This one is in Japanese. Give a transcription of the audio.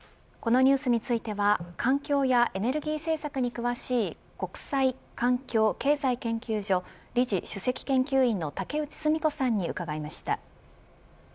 このニュースについては環境やエネルギー政策に詳しい国際環境経済研究所理事首席研究員の竹内純子さんに伺いました。